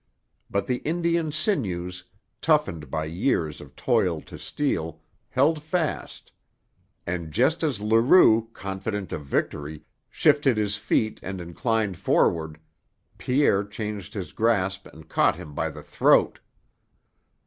But the Indian's sinews, toughened by years of toil to steel, held fast; and just as Leroux, confident of victory, shifted his feet and inclined forward, Pierre changed his grasp and caught him by the throat.